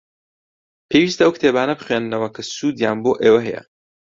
پێویستە ئەو کتێبانە بخوێننەوە کە سوودیان بۆ ئێوە هەیە.